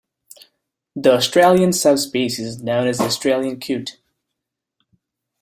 The Australian subspecies is known as the Australian coot.